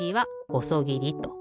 「ほそぎり」と。